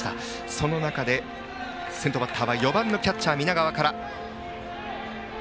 その中で先頭バッターは４番キャッチャー、南川。